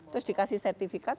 terus dikasih sertifikat